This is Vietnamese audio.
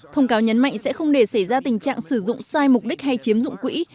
thông cáo nhấn mạnh sẽ không để xảy ra tình trạng sử dụng sai mục đích hay chiếm dụng quỹ